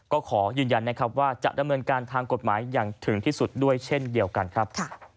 ก็ขอยืนยันนะครับว่าจะดำเนินการทางกฎหมายอย่างถึงที่สุดด้วยเช่นเดียวกันครับ